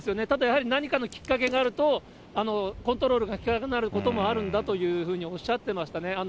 ただやはり、何かのきっかけがあると、コントロールが利かなくなることもあるんだというふうにおっしゃってましたね。